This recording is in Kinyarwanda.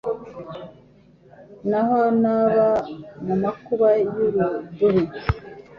N’aho naba mu makuba y’urudubi